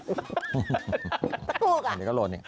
ตะกรูก่ะอันนี้ก็โหลนเอง